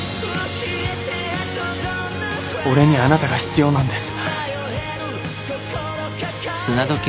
俺にはあなたが必要なんです。